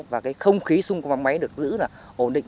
và cái không khí xung quanh máy được giữ là ổn định